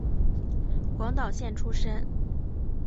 广岛县出身。